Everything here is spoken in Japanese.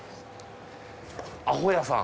あほやさん。